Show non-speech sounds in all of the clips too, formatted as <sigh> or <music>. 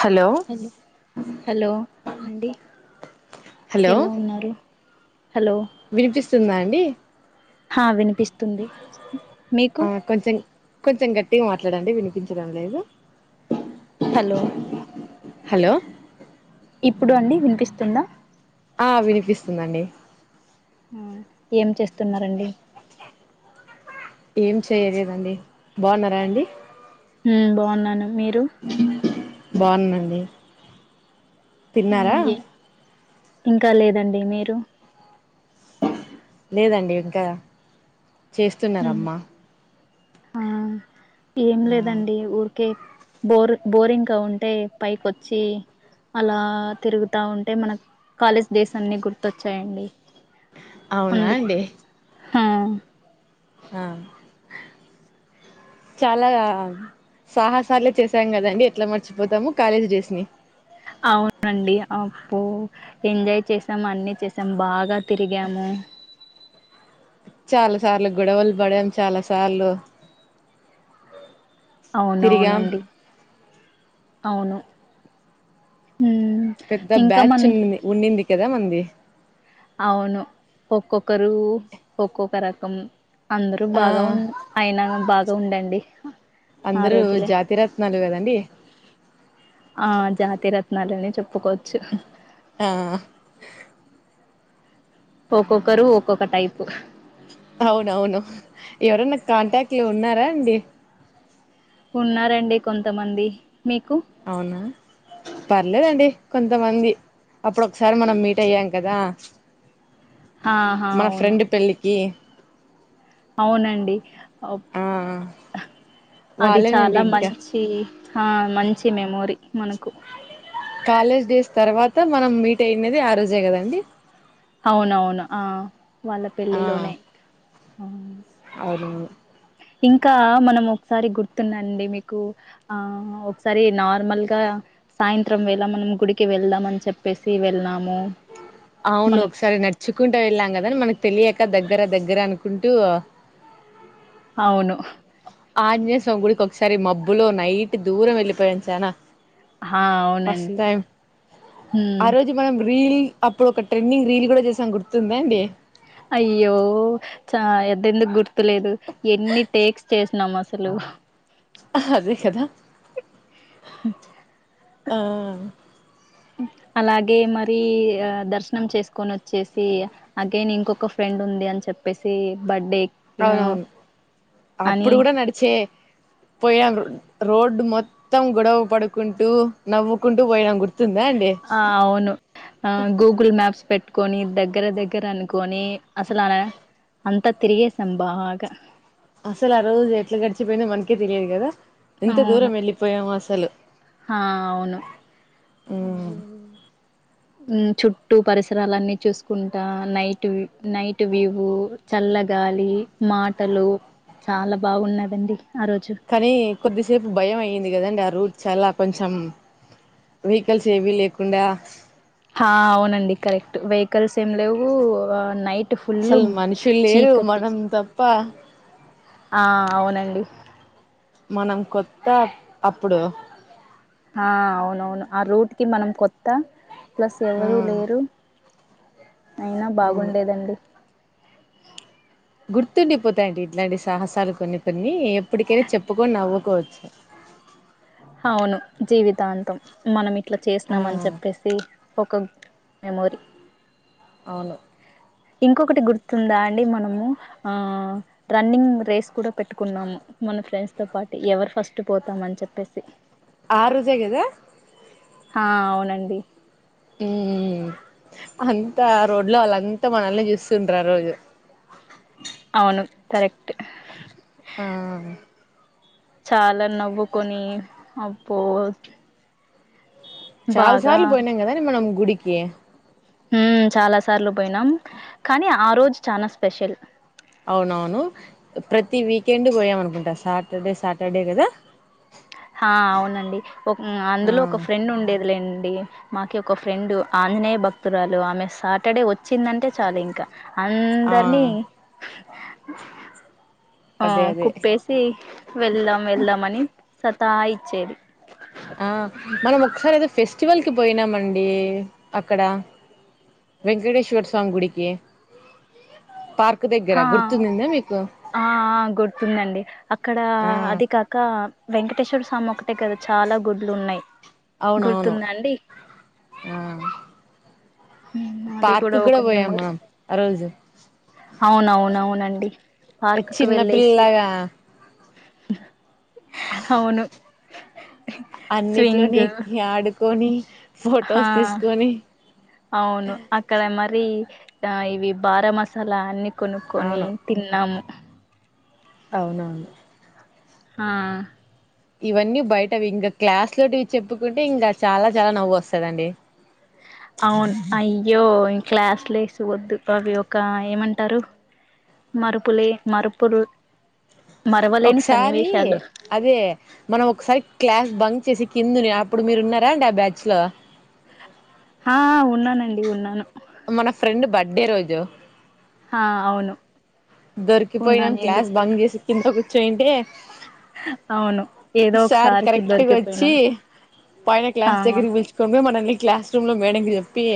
Hello hello hello అండి hello ఎలా ఉన్నారు హలో వినిపిస్తుందా అండి హ విని పిస్తుంది మీకు ఆ కొంచెం కొంచెం గట్టిగా మాట్లాడండి వినిపించడం లేదు హలో హలో ఇప్పుడు అండి వినిపిస్తుందా ఆ వినిపిస్తుందండి హ ఏం చేస్తున్నారండి ఏం చెయలేదండి బాన్నారా అండి ఉమ్ బాన్నాను మీరు బాన్న అండి తిన్నారా ఉమ్ ఏ ఇంకా లేదండి మీరు లేదండి ఇంకా ఉమ్ చేస్తున్నారమ్మ ఆ ఏం ఆ లేదండి ఊరికే బోర్ బోరింగ్గా ఉంటే పైకి వచ్చి అలా తిరుగుతా ఉంటే మన కాలేజ్ డేస్ అన్ని గుర్తొచ్చాయండి అవునా అందుకే అండి హా ఆ చాలా సాహసాలే చేసాం కదండి ఎట్లా మర్చిపోతాము కాలేజ్ డేస్ ని అవునండి అబ్బో ఎంజాయ్ చేసాము అన్నీ చేసాం బాగా తిరిగాము చాలా సార్లు గొడవలు పడాం చాలా సార్లు తిరిగాం అవునవునండి అవును ఉమ్ పెద్ద ఇంకా బ్యాచ్ మన ఉంనింది ఉంనింద్ కద మంది అవును ఒక్కొక్కరు ఒక్కొక్క రకం అందరూ ఆ బాగా ఉన్ అయినా బాగా ఉండండి ఆ అందరూ రోజులే జాతిరత్నాలు కదండి ఆ జాతిీ రత్నాలనే చెప్ ఒప్పుకోచ్చు ఆ ఒక్కొక్కరు ఒక్కొక్క టైప్ అవునవును ఎవరన్న కాంటాక్ట్ లో ఉన్నారా అండి ఉన్నారండి కొంతమంది మీకు అవునా పర్లేదండి కొంతమంది అప్పుడు ఒకసారి మనం మీట్ అయ్యాం కదా ఆహా మాన అవును ఫ్రెండ్ పెళ్ళికి అవునండి ఆ అది వాళ్ళేనండి చాలా ఇంకా మంచి హ మంచి మెమోరీ మనకు కాలేజ్ డేస్ తర్వాత మనం మీట్ అయినది ఆ రోజే కదండి అవునవును ఆ వాళ్ళ పెళ్ళిలోనే ఆ అరు ఇంకా మనం ఒకసారి గుర్తున్నాండి మీకు ఆ ఒకసారి నార్మల్ గా సాయంత్రం వేళ మనం గుడికి వెళ్దాం అని చెప్పేసి వెళ్ళాం అవును ఒకసారి నడుచుకుంటూ వెళ్ళాం కదా మనకు తెలియక్ కా దగ్గర దగ్గర అనుకుంటూ అవును ఆజ్ఞనీయ స్వామి గుడికి ఒకసారి మబ్బులో నైట్ దూరం వెళ్ళిపోయం చానా ఆ ఫస్ట్ అవునండి టైమ్ హ్మ్ ఆ రోజు మనం రీల్ అప్పుడు ఒక ట్రెండింగ్ రీల్ కూడా చేసాం గుర్తుందా అండి అయ్యో చ అద్దెందుకు గుర్తులేదు ఎన్ని టేక్స్ చేసినాం అసలు అదే కదా ఆ అలాగే మరి దర్శనం చేసుకొని వచ్చేసి అగైన్ ఇంకొక ఫ్రెండ్ ఉంది అని చెప్పేసి బర్త్డే అవునవును అని అప్పుడు కూడా నడిచే పోయాం రోడ్డు మొత్తం గొడవ పడుకుంటూ నవ్వుకుంటూ పోయాం గుర్తు ఆ అవును గూగుల్ మ్యాప్స్ పెట్టు కొని దగ్గర దగ్గర అనుకొని అసలు అలా అంతా తిరిగేసాం బాగా అసలు ఆ రోజు ఎట్లా గడిచిపోయిందో మనకే తెలియదు కదా ఎంత దూరం వెళ్ళిపోయాము సలు హ అవును ఉమ్, ఆమ్ చుట్టూ పరిసరాలన్నీ చూసుకుంటా నైట్ నైట్ వ్యూ చల్లగాలి మాటలు చాలా బాగున్నదండి ఆ రోజు కానీ కొద్దిసేపు భయం అయింది అయింది కదండి ఆ రూట్ చాలా కొంచెం వెహికల్ సేవి లేకుడా అవునండి కరెక్ట్ వెహికల్స్ ఏం లేవు నైట్ ఫుల్ అసలు మనుషులు లేరు చీకటి మనం తప్ప ఆ అవునండి మనం కొత్త అప్పుడు ఆ అవునవును ఆ రూట్ కి మనం కొత్త ప్లస్ ఆ ఎవరు లేరు అయినా అవును బాగుండేదండి హా గుర్తుండిపోతాయండి ఇట్లాంటి సాహసాలు కొన్ని కొన్ని ఎప్పటికైనా చెప్పుకొని నవ్వుకోవచ్చు అవును జీవితాంతం మనం ఇట్లా ఆ చేసినాం అని చెప్పేసి ఒక మెమోరీ అవును ఇంకొకటి గుర్తుందా అండి మనము ఆ రన్నింగ్ రేస్ కూడా పెట్టుకున్నము మన ఫ్రెండ్స్ తో పాటు ఎవరు ఫస్ట్ పోతాం అని చెప్పేసి ఆ రోజేగదా ఆ అవునండి ఉమ్ అంతా రోడ్లో వాళ్ళు అంతా మనల్ని చూస్తుంటారు ఆ రోజు అవును కరెక్ట్ ఆ చాలా నవ్వుకొని అబ్బొ చాలా సార్లు పోయినాం కదండి మనం గుడి కి హుమ్ చాలా సార్లు పోయినాం కానీ ఆ రోజు చానా స్పెషల్ అవునవును ప్రతి వీకెండ్ పోయామనుకుంటా. సాటర్డే సాటర్డే కదా. హా అవునండి ఆ ఒకఅందులో ఒక ఫ్రెండ్ ఉండేది లేండి మాకి ఒక ఫ్రెండు ఆంజనేయ భక్తురాలు. ఆమె సాటర్డే వచ్చిందంటే చాలుఇంక. ఆ అందరినీ హ ఆ అదే అదే కుప్పేసి వెళ్దాం వెళ్దాం అని సతా ఇచ్చేది ఆ మనం ఒకసారి ఏదో ఫెస్టివల్ కి పోయినామండి. అక్కడ వెంకటేశ్వర స్వామి గుడికి పార్క్. దగ్గర హ గుర్తుందిందా మీకు ఆ ఆ గుర్తుందండి. అక్కడ ఆ అది కాక వెంకటేశ్వర స్వామి ఒకటే కదా. చాలా గుర్ లో ఉన్నయ్ అవునవును ఆ మ్అది పార్క్ కూడా ఒక పోయాం మెమోరీ మనం ఆ రోజు అవును అవునవునండి. అంటే చిన్న పిల్లలాగా డు అన్నిట్లోని స్వింగ్ ఎక్కి ఆడుకొని ఆ ఫొటోస్ తీసుకొని అవును అక్కడ మరి ఆ ఇవి బారా మసాలా అన్ని కొనుక్కొని అవును తిన్నాము. అవునవును ఆ ఇవన్నీ బయట ఇంకా క్లాస్ లోటి చెప్పుకుంటే ఇంకా చాలా చాలా నవ్వు వస్తదండి. అవును అయ్యో క్లాస్ లేసు వద్దు. అవి ఒక ఏమంటరు మరుపులే మరుపులు మరవలేని ఒకసారి సన్నివేశాలు అదే మనం ఒకసారి క్లాస్ బంక్ చేసి కిందనే ఇప్పుడు మీరు ఉన్నారా అండి ఆ బ్యాచ్ లో ఆ ఉన్నానండి ఉన్నాను మన ఫ్రెండ్ బట్ బర్డె రోజు ఆ అవును దొరికిపోయినం ఉన్నాను క్లాస్ ఎందుకు బంగ్ లేను చేసికింద పెయింటే అవును ఏదో సార్ ఒకసారికి కరెక్ట్గా వచ్చి దొరికిపోయినాం పయిన క్లాస్ ఆ దగ్గరకి పిళిచుకోని పోననీ క్లాస్ రూమ్ లో మేడంకి చెప్పి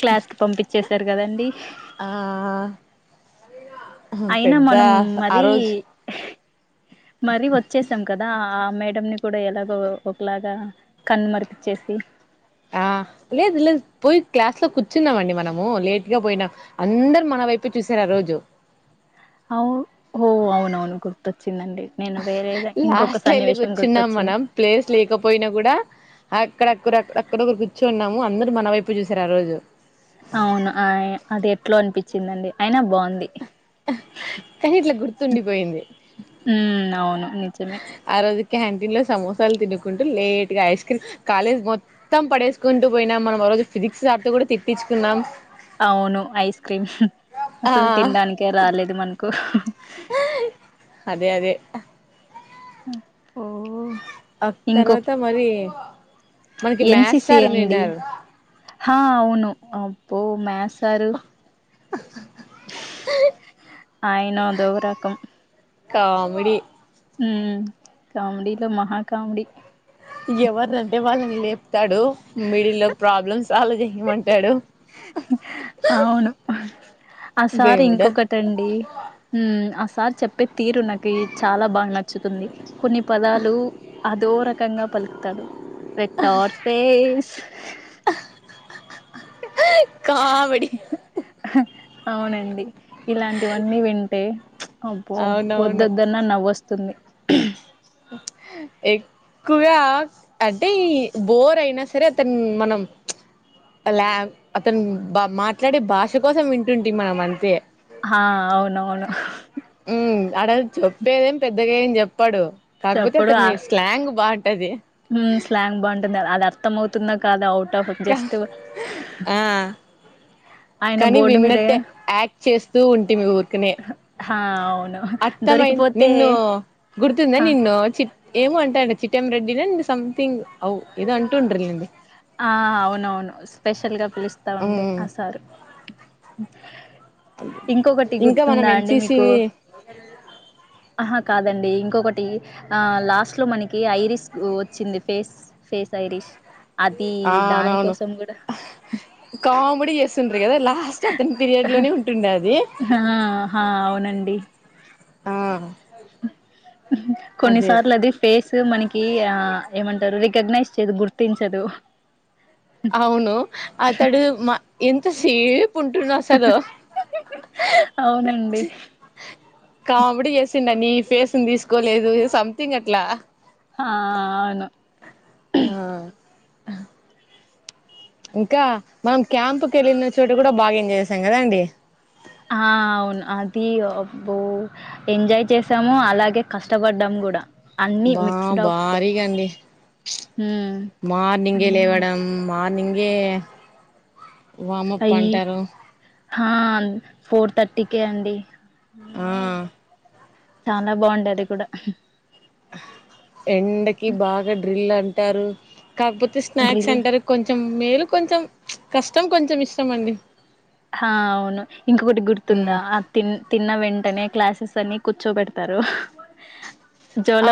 క్లాస్ కి పంపిచ్చేశారు కదండి ఆ అయినా పెద్ద మనం ఆ మరీ రోజు మరీ వచ్చేసాం కదా ఆ మేడం ని కూడా ఎలాగో ఒకలాగా కన్ను మరిపిచ్చేసి ఆ లేదు లేదు పోయి క్లాస్ లో కూర్చుందామండి మనము లేటుగా పోయినా అందరూ మన వైపే చూసారు ఆ రోజు ఓ అవును అవును గుర్తొచ్చి లాస్ట్ వెళ్ళి సన్నివేశం కూర్చున్నాం గుర్తొచ్చింది మనం ప్లేస్ లేకపోయినా కూడా అక్కడక్కడ <unintelligible> కూర్చున్నాము అందరు మన వైపు చూశారు ఆ రోజు అవును అయ్ అది ఎట్లో అనిపిచ్చిందండి అయినా బావుంది కానీ ఇట్లా గుర్తుండిపోయింది ఉమ్ అవును నిజమే ఆ రోజు క్యాంటీన్ లో సమోసాలు తినుకుంటూ లేట్ గా ఐస్ క్రీమ్ కాలేజ్ మొత్తం పడేసుకుంటూ పోయినాం మనం ఆరోజు ఫిజిక్స్ సార్ తో కూడా తిట్టిచ్చుకున్నాం అవును ఐస్ క్రీమ్ ఆ అసలు తినడానికే రాలేదు మనకు అదే అదే అబ్బో అద్ తర్వాత మరి మనకి మ్యాక్స్ ఎన్సిసి సారు అండి ఉనిన్నారు హా అవును అప్పు మ్యాస్ సారు ఆయన అదో రకం కామెడి ఉమ్మ్ కామెడీలో మహా కామెడి తాడు మిడిల్ లో ప్రాబ్లమ్ సాల్వ్ చేయమంటాడు అవును ఆ సార్ దేవుడా ఇంకొకటండి ఉమ్మ్ ఆ సా సార్ చెప్పి తీరు నాకి చాలా బా నచ్చుతుంది కొన్ని పదాలు అదో రకంగా పలుకుతాడు పెట్టార్ స్పేస్ కామెడి అవునండి ఇలాంటివన్నీ వింటే అబ్బో అవునవును వద్దొద్దన్న నవ్వొస్ తుంది ఎక్కువే ఆ అంటే ఈ బోర్ అయినా సరే అతను మనం అలా అతను బ మాట్లాడే భాష కోసం వింటుంటి మనం అంతే ఆ అవునవును ఉమ్మ్ ఆడ అది చెప్పేదేం పెద్ దగేం జెప్పడు చెప్పడు ఆ ఉమ్ స్లాంగ్ బాగుంటుంది అదర్ త్తం ఔతుంద కాదు ఔట్ ఆఫ్ కా జస్ట్ ఆ ఆయన కానీ బోర్డు విన్నట్టే మీద యాక్ట్ చేస్తూ ఉంటే మీ ఊరికనే హా అవును అర్థమై దొరికిపోతే నిన్ను గుర్తుందా హ నిన్ను చి ఏమో అంటాండి చిట్టెం రెడ్డినో సంథింగ్ అవు ఏదో అంటూ ఉంటారు లేండి ఆ అవునవును స్పెషల్ గా పిలుస్తా ఉండి ఉమ్ ఆ సారు ఇంకొకటి ఇంకా మనం గుర్తుందా అండి ఎన్సిసి మీకు ఆహా కాదండి ఇంకొకటి లాస్ట్ లో మనకి ఐరిస్ వచ్చింది ఫేస్ ఫేస్ ఐరిష్ అది అవునవును దానికోసం కూడా కామెడి ఎస్ కదా లాస్ట్ అతని పిరియడ్ లోనే ఉంటుండే అది ఆ హా అవునండి ఆ అదే కొన్నిసార్లు అది ఫేస్ మనకి ఆ ఏమంటారు ర రికగ్నైజ్ చేయదు గుర్తించదు అవును అతడు మా ఎంత సేపు పంటున్నా అసలు అవునండి కామెడీ చేసిండని ఫేస్ని తీసుకోలేదు సంథింగ్ అట్లా హ అవును ఆ ఇంకా మనం క్యాంప్కి వెళ్ళిన చోట కూడా బాగా ఎంజాయ్ చేసాం కదా అండి ఆ అవును అది అబ్బో ఎంజాయ్ చేసాము అలాగే కష్టపడ్డాము కూడా అన్ని బా మిక్స్డ్ ఆఫ్ భారీగా అండి హ్మ్ మార్నింగే అన్ని ఉండే లేవ్వడం మార్నింగ్ గే వార్మప్ అంటారు ఆ ఫోర్ థర్టీకే అండి ఆ అమ్మో చాలా బాగుండే అది కూడా ఎండకి బాగా డ్రిల్ అంటారు కాకపోతే స్నాక్స్ డ్రిల్ సెంటర్ కొంచెం మేల్ కొంచెం కష్టం కొంచెం ఇష్టం అండి ఆ అవును ఇంకొకటి గుర్తుందా ఉమ్ ఆ తి తిన్న వెంటనే క్లాసెస్ అన్ని కూర్చోబెడతారు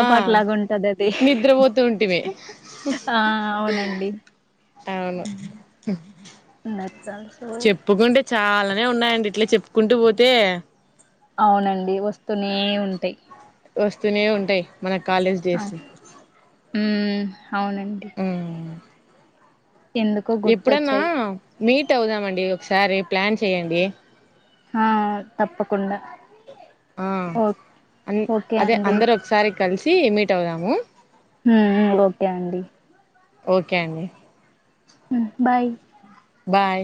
ఆ లాగా ఉంటది అది నిద్రపోతూ ఉంటిమి ఆ అవునండి అవును దట్స్ ఆల్సో చెప్పుకుంటే చాలానే ఉన్నాయండి ఇట్లా చెప్పుకుంటూ పోతే అవునండి వస్తూనే ఉంటాయి వస్తూనే ఉంటాయి మన కాలేజ్ ఆ డేసు హ్మ్ అవునండి హ్మ్ ఎందుకో ఎప్పుడన్నా గుర్తొచ్చాయి మీట్ అవుదామండి ఒకసారి ప్లాన్ చేయండి ఆ తప్పకుండా ఆ ఓ అ ఓకే అదే అండి అందరు ఒకసారి కలిసి సీ మీట్ అవుదాము హ్మ్ ఓకే అండి ఓకే అండి బాయ్ బాయ్